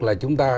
là chúng ta